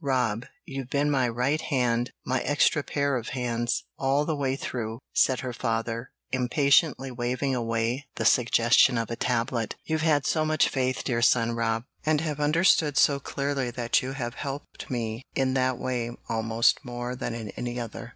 "Rob, you've been my right hand my extra pair of hands all the way through," said her father, impatiently waving away the suggestion of a tablet. "You've had so much faith, dear son Rob, and have understood so clearly that you have helped me in that way almost more than in any other.